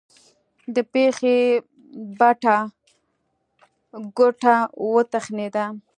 د پښې بټه ګوته وتخنېده.